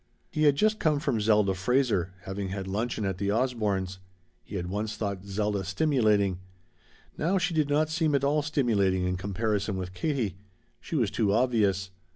He had just come from Zelda Fraser, having had luncheon at the Osbornes'. He had once thought Zelda stimulating. Now she did not seem at all stimulating in comparison with Katie. She was too obvious.